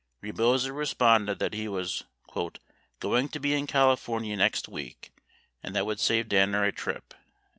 Rebozo responded that he was "going to be in California next week, and that would save [Danner] a trip."